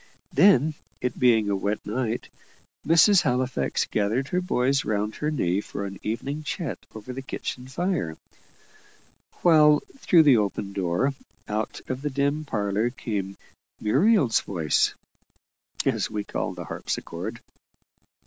Then, it being a wet night, Mrs. Halifax gathered her boys round her knee for an evening chat over the kitchen fire; while through the open door, out of the dim parlour came "Muriel's voice," as we called the harpsichord.